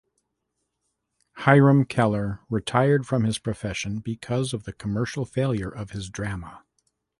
Hiram Keller retired from his profession because of the commercial failure of this drama.